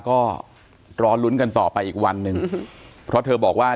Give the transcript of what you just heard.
ก็รอลุ้นกันต่อไปอีกวันหนึ่งเพราะเธอบอกว่า